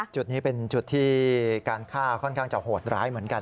จุดนี้เป็นจุดที่การฆ่าค่อนข้างจะโหดร้ายเหมือนกัน